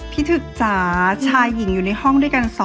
ถึกจ๋าชายหญิงอยู่ในห้องด้วยกัน๒